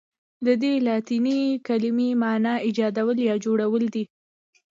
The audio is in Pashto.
ددې لاتیني کلمې معنی ایجادول یا جوړول دي.